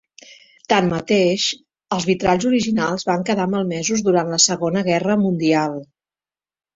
Tanmateix, els vitralls originals van quedar malmesos durant la Segona Guerra Mundial.